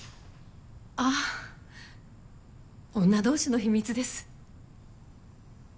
あ女同士の秘密です。